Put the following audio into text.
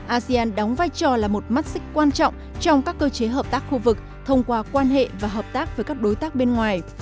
asean đóng vai trò là một mắt xích quan trọng trong các cơ chế hợp tác khu vực thông qua quan hệ và hợp tác với các đối tác bên ngoài